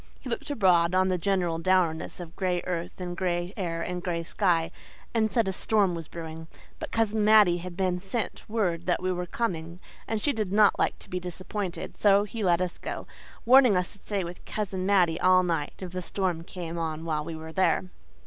He looked abroad on the general dourness of gray earth and gray air and gray sky, and said a storm was brewing. But Cousin Mattie had been sent word that we were coming, and she did not like to be disappointed, so he let us go, warning us to stay with Cousin Mattie all night if the storm came on while we were there.